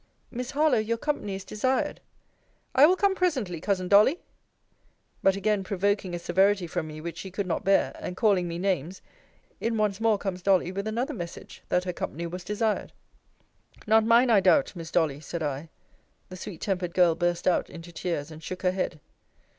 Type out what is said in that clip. Miss Harlowe, your company is desired. I will come presently, cousin Dolly. But again provoking a severity from me which she could not bear, and calling me names! in once more come Dolly, with another message, that her company was desired. Not mine, I doubt, Miss Dolly, said I. The sweet tempered girl burst out into tears, and shook her head.